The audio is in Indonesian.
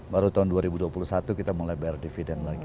baru tahun dua ribu dua puluh satu kita mulai bayar dividend lagi